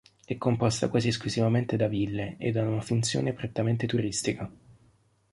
È composta quasi esclusivamente da ville ed ha una funzione prettamente turistica.